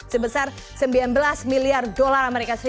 sebesar sembilan belas miliar dolar as